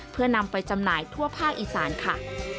เพื่อนำไปจำหน่ายทั่วภาคอีสานค่ะ